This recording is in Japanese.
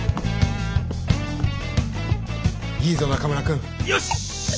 いいぞ中村くん。よし！